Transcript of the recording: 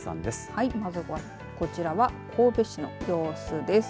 はい、まずこちらは神戸市の様子です。